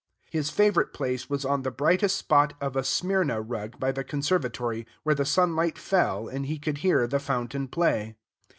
His favorite place was on the brightest spot of a Smyrna rug by the conservatory, where the sunlight fell and he could hear the fountain play.